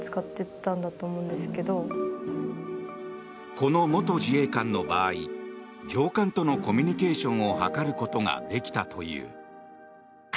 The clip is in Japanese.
この元自衛官の場合上官とのコミュニケーションを図ることができたという。